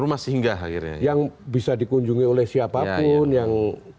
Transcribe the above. rumah singgah yang bisa dikunjungi oleh siapapun yang